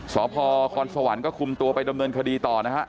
สพคอนสวรรค์ก็คุมตัวไปดำเนินคดีต่อนะฮะ